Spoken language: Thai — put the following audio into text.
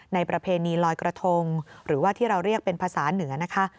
ประเพณีลอยกระทงหรือว่าที่เราเรียกเป็นภาษาเหนือนะคะ